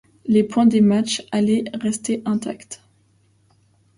Les points des matchs allers restent intacts.